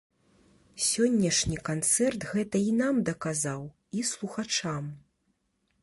Сённяшні канцэрт гэта і нам даказаў, і слухачам.